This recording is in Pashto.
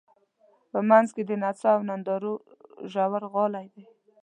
په منځ کې د نڅا او نندارو ژورغالی دی.